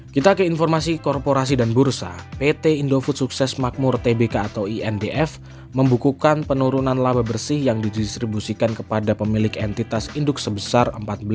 kita ke informasi korporasi dan bursa pt indofood sukses makmur tbk atau indf membukukan penurunan laba bersih yang didistribusikan kepada pemilik entitas induk sebesar empat belas